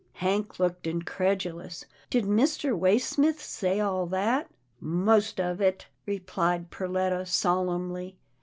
Hank looked incredulous. " Did Mr. Waysmith say all that?" " Most of it," replied Perletta, solemnly.